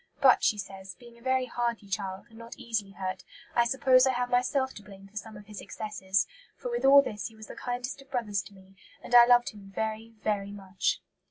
"But," she says, "being a very hardy child, and not easily hurt, I suppose I had myself to blame for some of his excesses; for with all this he was the kindest of brothers to me, and I loved him very, very much."